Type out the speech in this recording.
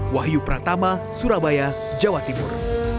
wahyu pratama surabaya jawa timur